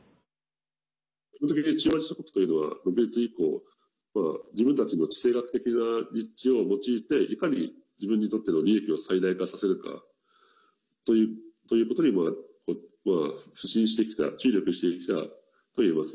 基本的に中央アジア諸国というのは独立以降、自分たちの地政学的な立地を用いていかに自分にとっての利益を最大化させるかということに腐心してきた注力してきたといえます。